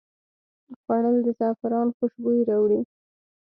خوړل د زعفران خوشبويي راوړي